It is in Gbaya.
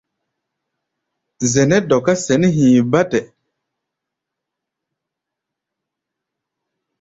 Zɛʼnɛ́ dɔká sɛ̌n hi̧i̧ bátɛ.